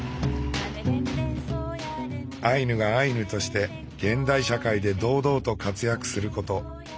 アイヌがアイヌとして現代社会で堂々と活躍すること。